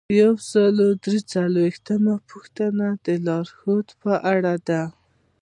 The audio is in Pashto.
یو سل او درې څلویښتمه پوښتنه د لارښوود په اړه ده.